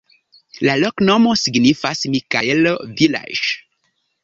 La loknomo signifas: Mikaelo-vilaĝ'.